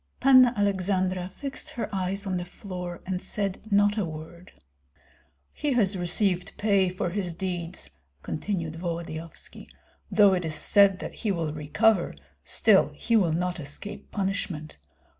Panna Aleksandra fixed her eyes on the floor, and said not a word. "He has received pay for his deeds," continued Volodyovski, "though it is said that he will recover, still he will not escape punishment.